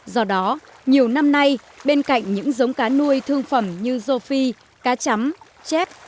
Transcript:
do đó nhiều năm nay bên cạnh những giống cá nuôi thương phẩm như rô phi cá chấm chép